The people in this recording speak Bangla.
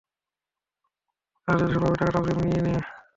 আর যদি সম্ভব হয়, টাকাটা অগ্রিম নিয়ে নে।